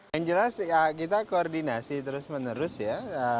yang jelas kita koordinasi terus menerus ya